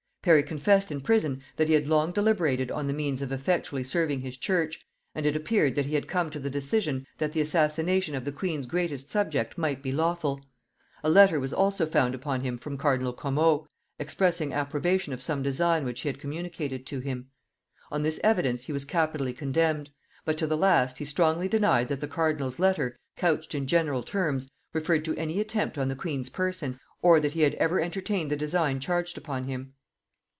Parry confessed in prison that he had long deliberated on the means of effectually serving his church, and it appeared that he had come to the decision that the assassination of the queen's greatest subject might be lawful: a letter was also found upon him from cardinal Como, expressing approbation of some design which he had communicated to him. On this evidence he was capitally condemned; but to the last he strongly denied that the cardinal's letter, couched in general terms, referred to any attempt on the queen's person, or that he had ever entertained the design charged upon him.